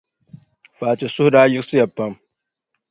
Fati suhu daa yiɣisiya pam.